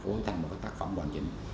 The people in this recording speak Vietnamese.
phối thành một cái tác phẩm hoàn chính